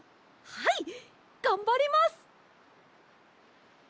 はいがんばります！